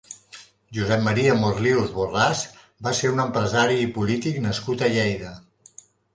Josep Maria Morlius Borràs va ser un empresari i polític nascut a Lleida.